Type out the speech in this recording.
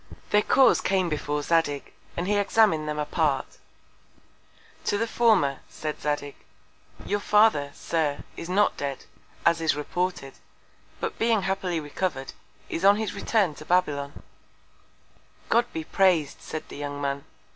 Their Cause came before Zadig, and he examin'd them apart. To the former, said Zadig, Your Father, Sir, is not dead, as is reported, but being happily recover'd, is on his Return to Babylon. God be praised, said the young Man!